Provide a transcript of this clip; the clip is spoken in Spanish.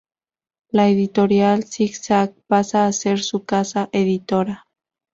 La Editorial Zig-Zag pasa a ser su casa editora.